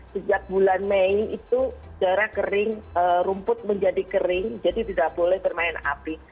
sejak bulan mei itu darah kering rumput menjadi kering jadi tidak boleh bermain api